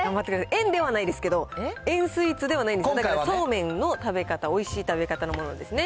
えんではないですけど、円スイーツではないんですけども、そうめんのおいしい食べ方のものですね。